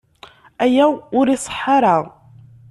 Aya ur iṣeḥḥa ara.